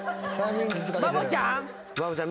バボちゃん？